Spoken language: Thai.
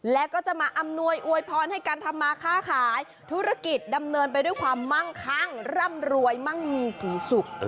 แล้วก็จะมาอำนวยอวยพรให้การทำมาค่าขายธุรกิจดำเนินไปด้วยความมั่งคั่งร่ำรวยมั่งมีสีสุข